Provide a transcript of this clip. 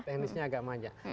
teknisnya agak manja